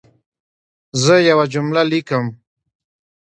زه یوه جمله لیکم.